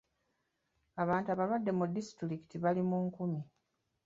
Abantu abalwadde mu disitulikiti bali mu nkumi.